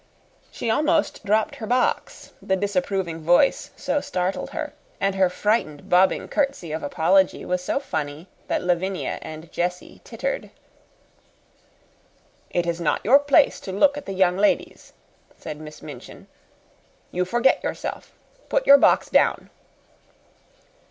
She almost dropped her box, the disapproving voice so startled her, and her frightened, bobbing curtsy of apology was so funny that Lavinia and Jessie tittered. "It is not your place to look at the young ladies," said Miss Minchin. "You forget yourself. Put your box down."